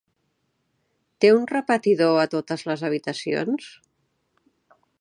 Té un repetidor a totes les habitacions?